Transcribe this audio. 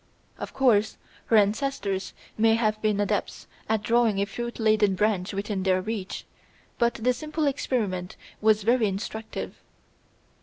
Of course her ancestors may have been adepts at drawing a fruit laden branch within their reach, but the simple experiment was very instructive.